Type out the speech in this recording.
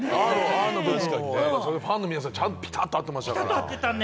ファンの皆さん、ピタッと合ってましたね。